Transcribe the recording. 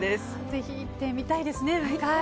ぜひ行ってみたいですね。